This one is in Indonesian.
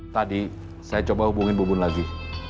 tadi saya coba hubungin bu bun lagi